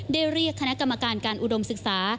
เรียกคณะกรรมการการอุดมศึกษา